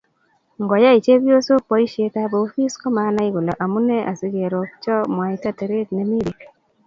ngoyai chepyosok boisietap ofis komanai kole amune asikerongcho mwaita teret nemi bek